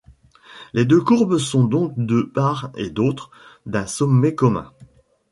Les deux courbes sont donc de part et d'autre d'un sommet commun.